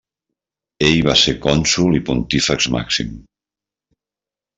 El va ser cònsol i Pontífex Màxim.